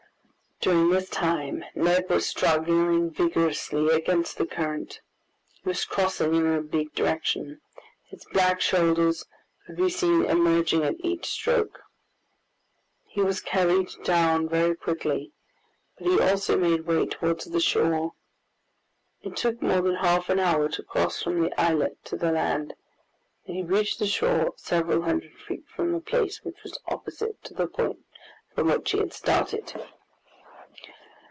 During this time Neb was struggling vigorously against the current. He was crossing in an oblique direction. His black shoulders could be seen emerging at each stroke. He was carried down very quickly, but he also made way towards the shore. It took more than half an hour to cross from the islet to the land, and he reached the shore several hundred feet from the place which was opposite to the point from which he had started.